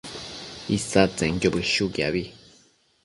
isadtsenquio bëshuquiabi